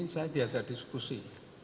saya diajak diskusi